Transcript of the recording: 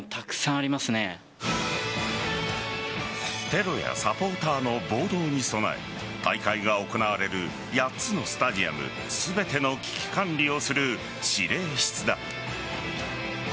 テロやサポーターの暴動に備え大会が行われる８つのスタジアム全ての危機管理をする司令室だ。